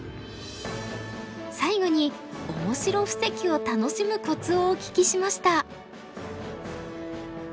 最後にオモシロ布石を楽しむコツをお聞きしました。